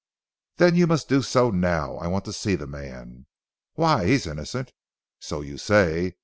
'" "Then you must do so now; I want to see the man." "Why? He is innocent." "So you say.